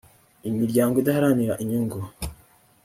imiryango idaharanira inyungu